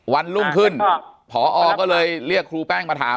วันรุ่งขึ้นพอก็เลยเรียกครูแป้งมาถาม